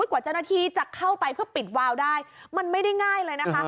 กว่าเจ้าหน้าที่จะเข้าไปเพื่อปิดวาวได้มันไม่ได้ง่ายเลยนะคะ